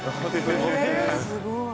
えすごい！